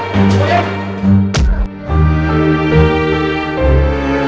di rumah sakit mana